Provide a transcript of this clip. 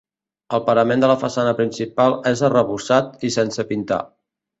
El parament de la façana principal és arrebossat i sense pintar.